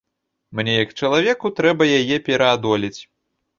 Мне як чалавеку трэба яе пераадолець.